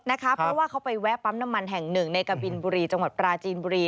เพราะว่าเขาไปแวะปั๊มน้ำมันแห่งหนึ่งในกะบินบุรีจังหวัดปราจีนบุรี